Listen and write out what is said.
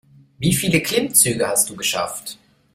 Wie viele Klimmzüge hast du geschafft?